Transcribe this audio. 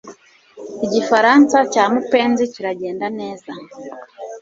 Igifaransa cya mupenzi kiragenda neza